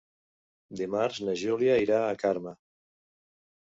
Dimarts na Júlia irà a Carme.